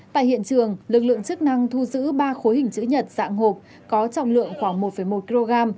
tại hiện trường lực lượng chức năng thu giữ ba khối hình chữ nhật dạng hộp có trọng lượng khoảng một một kg